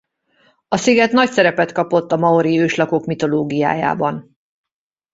A sziget nagy szerepet kapott a maori őslakók mitológiájában.